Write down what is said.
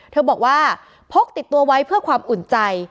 เธอบอกว่าพกติดตัวไว้เพื่อความอุ่นใจ